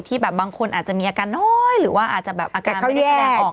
แบบบางคนอาจจะมีอาการน้อยหรือว่าอาจจะแบบอาการไม่ได้แสดงออก